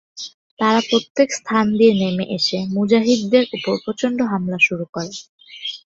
তারা প্রত্যেক স্থান দিয়ে নেমে এসে মুজাহিদদের উপর প্রচণ্ড হামলা শুরু করে।